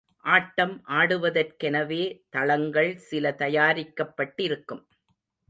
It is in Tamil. ஆட்டம் ஆடுவதற்கெனவே தளங்கள் சில தயாரிக்கப்பட்டிருக்கும்.